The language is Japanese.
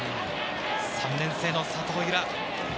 ３年生の佐藤由空。